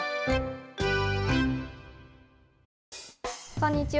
こんにちは。